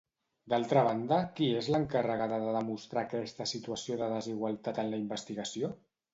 D'altra banda, qui és l'encarregada de demostrar aquesta situació de desigualtat en la investigació?